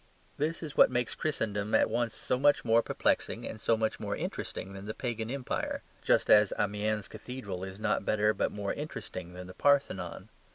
This is what makes Christendom at once so much more perplexing and so much more interesting than the Pagan empire; just as Amiens Cathedral is not better but more interesting than the Parthenon.